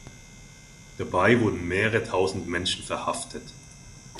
Dabei wurden mehrere Tausend Menschen verhaftet.